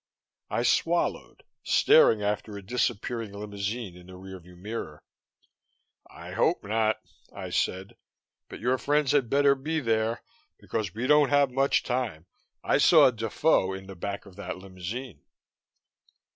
I swallowed, staring after a disappearing limousine in the rear view mirror. "I hope not," I said. "But your friends had better be there, because we don't have much time. I saw Defoe in the back of that limousine."